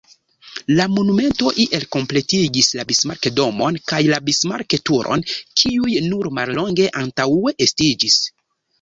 La monumento iel kompletigis la Bismarck-domon kaj la Bismarck-turon kiuj nur mallonge antaŭe estiĝis.